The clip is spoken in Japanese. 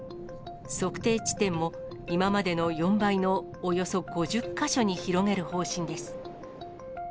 測定地点も今までの４倍の、およそ５０か所に広げる方針です。